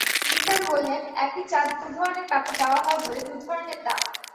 নিসার বললেন, একই চা দু ধরনের কাপে দেওয়া হয় বলে দু ধরনের দাম।